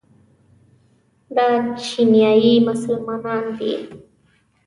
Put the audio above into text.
دا چیچنیایي مسلمانان دي.